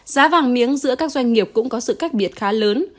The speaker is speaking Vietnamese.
giá vàng miếng giữa các doanh nghiệp cũng có sự cách biệt khá lớn